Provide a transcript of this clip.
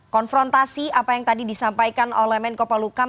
konfrontasi apa yang tadi disampaikan oleh menko polukam